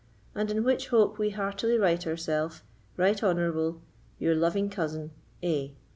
And in which hope we heartily write ourself, "Right Honourable, "Your loving cousin, "A——.